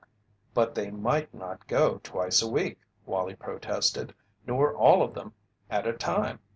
"But they might not go twice a week," Wallie protested, "nor all of them at a time."